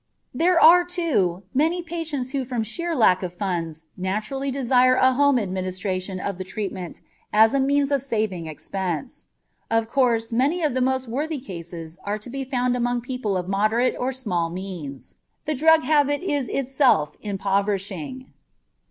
There are, too, many patients who from sheer lack of funds naturally desire a home administration of the treatment as a means of saving expense. Of course many of the most worthy cases are to be found among people of moderate or small means. The drug habit is itself impoverishing.